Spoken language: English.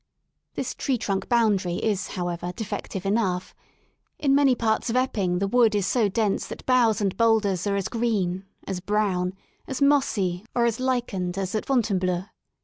This tree trunk boundary is, however, defective enough ; in many parts of Epping the wood is so dense that boughs and boulders are as green, as brown, as mossy or as lichened as at Fontainebleau.